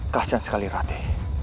kasian sekali rati